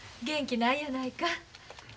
元気ないやないか。